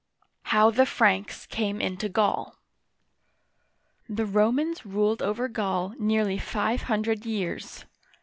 HOW THE FRANKS CAME INTO GAUL THE Romans ruled over Gaul nearly five hundred years.